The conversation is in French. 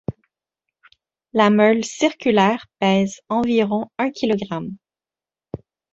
La meule circulaire pèse environ un kilogramme.